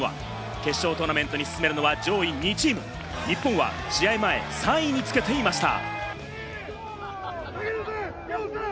決勝トーナメントに進めるのは上位２チーム、日本は試合前、３位につけていました。